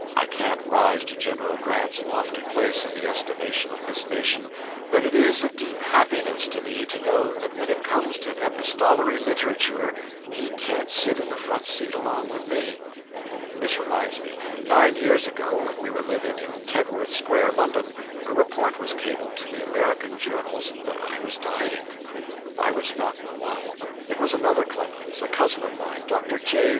I can't rise to General Grant's lofty place in the estimation of this nation, but it is a deep happiness to me to know that when it comes to epistolary literature he can't sit in the front seat along with me. This reminds me nine years ago, when we were living in Tedworth Square, London, a report was cabled to the American journals that I was dying. I was not the one. It was another Clemens, a cousin of mine, Dr. J.